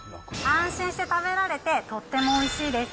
安心して食べられて、とってもおいしいです。